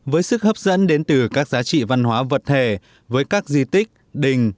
với sức hấp dẫn đến từ các giá trị văn hóa vật thể với các di tích đình